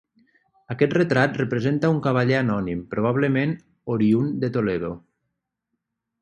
Aquest retrat representa un cavaller anònim, probablement oriünd de Toledo.